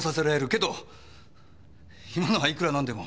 けど今のはいくら何でも。